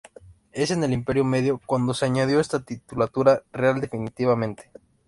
Es en el Imperio Medio cuando se añadió esta titulatura real definitivamente.